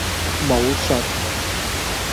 武術